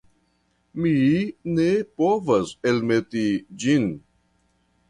Mi ne povas elmeti ĝin.